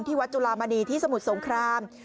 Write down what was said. ที่วัดจุฬามานีที่สมุทรสงคราม